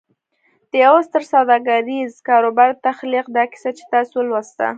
د يوه ستر سوداګريز کاروبار د تخليق دا کيسه چې تاسې ولوسته.